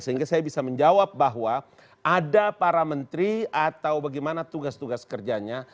sehingga saya bisa menjawab bahwa ada para menteri atau bagaimana tugas tugas kerjanya